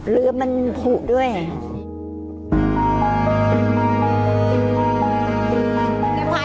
รือมันโผล่ด้วย